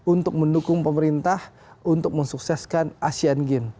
untuk mendukung pemerintah untuk mensukseskan asian game